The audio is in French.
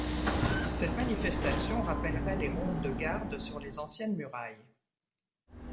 Cette manifestation rappellerait les rondes de garde sur les anciennes murailles.